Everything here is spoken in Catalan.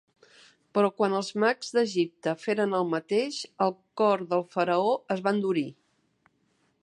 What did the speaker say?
Però quan els mags d'Egipte feren el mateix, el cor del faraó es va endurir.